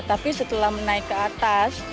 tapi setelah menaik ke atas